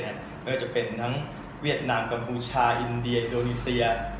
ไม่ว่าจะเป็นทั้งเวียดนามกัมพูชาอินเดียอินโดนีเซีย